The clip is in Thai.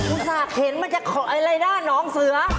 อุตส่าห์เห็นมันจะอะไรนะน้องเสือ